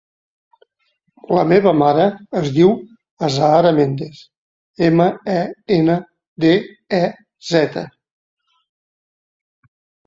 La meva mare es diu Azahara Mendez: ema, e, ena, de, e, zeta.